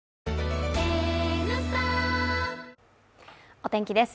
お天気です